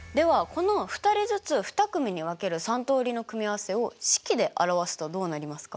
この２人ずつ２組に分ける３通りの組合せを式で表すとどうなりますか？